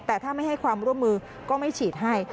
แต่ถ้าไม่ให้ความร่วมมือก็ไม่ฉีดให้